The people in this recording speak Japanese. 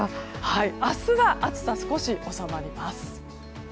明日は暑さ、少し収まります。